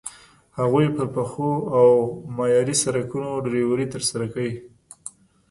هغوی پر پخو او معیاري سړکونو ډریوري ترسره کوي.